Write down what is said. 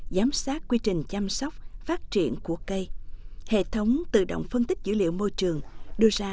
giám sát quy trình chăm sóc phát triển của cây hệ thống tự động phân tích dữ liệu môi trường đưa ra